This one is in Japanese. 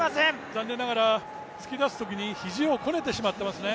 残念ながら突き出すときに、肱をこねてしまっていますね。